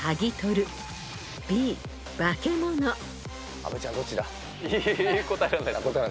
阿部ちゃんどっちだ？